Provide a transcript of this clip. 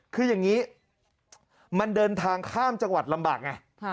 คืออย่างนี้มันเดินทางข้ามจังหวัดลำบากไง